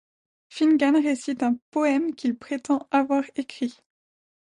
Finnegan récite un poème qu'il prétend avoir écrit.